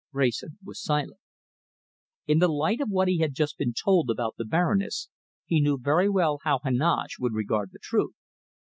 Wrayson was silent. In the light of what he had just been told about the Baroness, he knew very well how Heneage would regard the truth.